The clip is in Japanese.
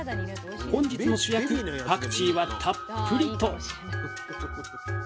本日の主役パクチーはたっぷりと！